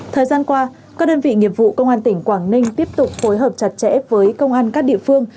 thời gian qua các đơn vị nghiệp vụ công an tỉnh quảng ninh tiếp tục phối hợp chặt chẽ với công an các địa phương